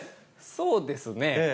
そうですね。